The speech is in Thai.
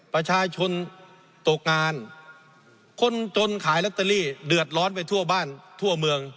ประชาชนตกงานคนจนขายลอตเตอรี่เดือดร้อนไปทั่วบ้านทั่วเมือง